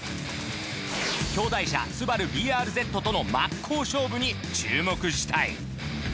兄弟車スバルＢＲＺとの真っ向勝負に注目したい